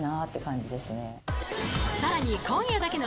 ［さらに］